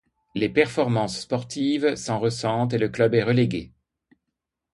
Les performances sportives s'en ressentent et le club est relégué.